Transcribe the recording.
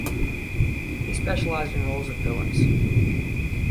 He specialized in roles of villains.